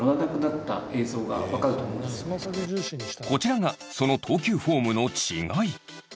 こちらがその投球フォームの違い。